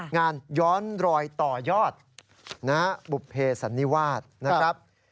ย้อนรอยต่อยอดบุภเพสันนิวาสนะครับ